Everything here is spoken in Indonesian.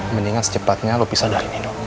mendingan secepatnya lo pisah dari nino